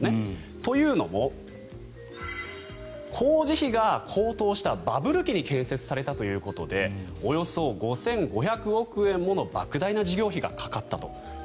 というのも、工事費が高騰したバブル期に建設されたということでおよそ５５００億円ものばく大な事業費がかかったと。